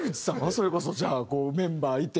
それこそじゃあメンバーいて。